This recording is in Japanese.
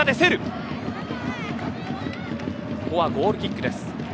ここはゴールキックです。